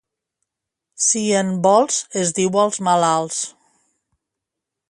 «Si en vols» es diu als malalts.